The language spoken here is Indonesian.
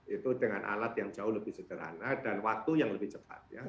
itu dengan alat yang jauh lebih sederhana dan waktu yang lebih cepat